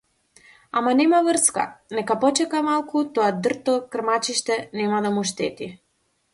Ама нема врска, нека почека малку тоа дрто крмачиште, нема да му штети.